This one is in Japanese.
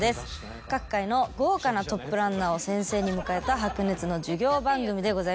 各界の豪華なトップランナーを先生に迎えた白熱の授業番組でございます。